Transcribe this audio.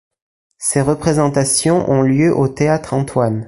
Ces représentations ont lieu au Théâtre Antoine.